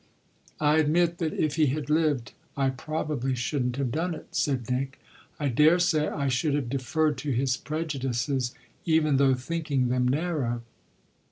"I admit that if he had lived I probably shouldn't have done it," said Nick. "I daresay I should have deferred to his prejudices even though thinking them narrow."